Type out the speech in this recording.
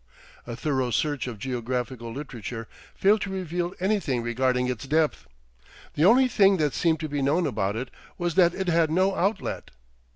A thorough search of geographical literature failed to reveal anything regarding its depth. The only thing that seemed to be known about it was that it had no outlet.